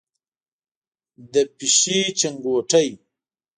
د پیشۍ چنګوټی،